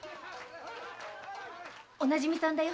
お馴染みさんだよ。